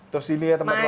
terus ini ya tempatnya